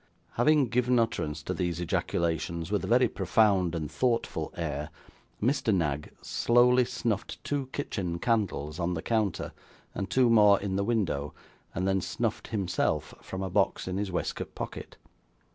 Having given utterance to these ejaculations with a very profound and thoughtful air, Mr. Knag slowly snuffed two kitchen candles on the counter, and two more in the window, and then snuffed himself from a box in his waistcoat pocket.